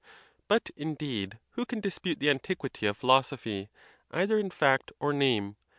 But, indeed, who can dispute the antiquity of phi losophy, either in fact or name?